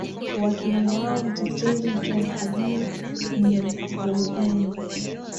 wakili wao mtetezi john habie muhuzenge